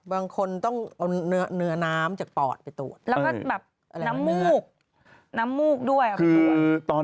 บางคนต้องเอาเนื้อน้ำจากปอดไปตรวจแล้วก็แบบน้ำมูกน้ำมูกด้วยเอาไปตรวจ